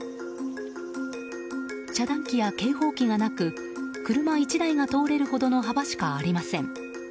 遮断機や警報機がなく車１台が通れるほどの幅しかありません。